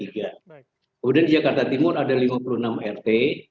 kemudian di jakarta timur ada lima puluh enam rt